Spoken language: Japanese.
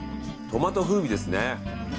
トマト風味ですね。